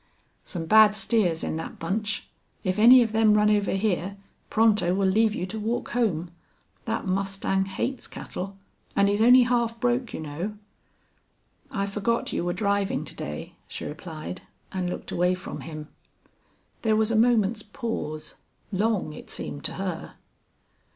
"Some bad steers in that bunch. If any of them run over here Pronto will leave you to walk home. That mustang hates cattle. And he's only half broke, you know." "I forgot you were driving to day," she replied, and looked away from him. There was a moment's pause long, it seemed to her.